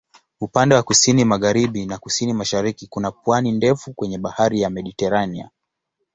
Upande wa kusini-magharibi na kusini-mashariki kuna pwani ndefu kwenye Bahari ya Mediteranea.